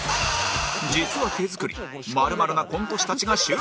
実は手作り○○なコント師たちが集結！